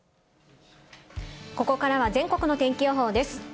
ここからは全国の天気予報です。